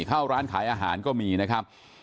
เข้าร้านขายอาหารก็มีนะครับ